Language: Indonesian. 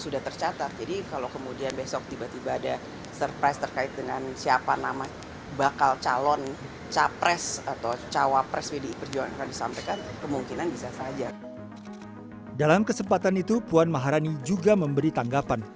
dalam kesempatan itu puan maharani juga memberi tanggapan